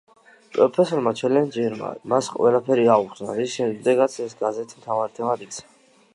პროფესორმა ჩელენჯერმა მას ყველაფერი აუხსნა, რის შემდეგაც ეს გაზეთების მთავარ თემად იქცა.